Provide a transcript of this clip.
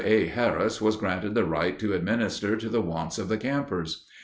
A. Harris was granted the right to administer to the wants of the campers.